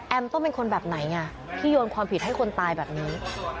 ต้องเป็นคนแบบไหนที่โยนความผิดให้คนตายแบบนี้